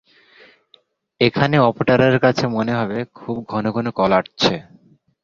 এখানে অপারেটরের কাছে মনে হবে খুব ঘন ঘন কল আসছে।